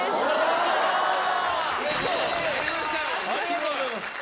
ありがとうございます！